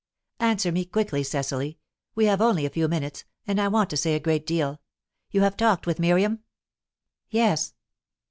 "Answer me quickly, Cecily; we have only a few minutes, and I want to say a great deal. You have talked with Miriam?" "Yes."